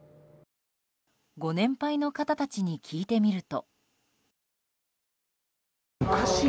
ご年配の方たちに聞いてみると。